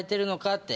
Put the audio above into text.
って。